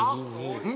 うん？